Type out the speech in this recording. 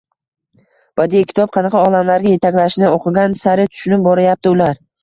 Badiiy kitob qanaqa olamlarga yetaklashini oʻqigani sari tushunib boryapti ular.